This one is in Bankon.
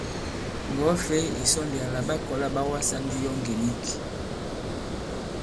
Ŋgɔ̀wɛ-fěy ì sɔ ndi àlà ɓa kɔ̀la là ɓa wasā ndi yo ngè nik.